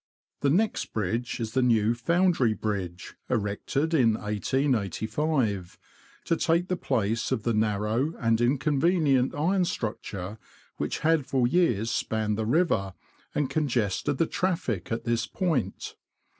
The next bridge is the new Foundry Bridge, erected in 1885, to take the place of the narrow and inconvenient iron structure which had for years spanned the river, and congested the traffic at this point.